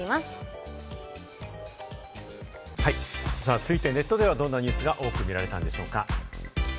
続いてネットではどんなニュースが多く見られたのでしょうか？